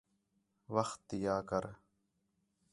وخت تی آ کر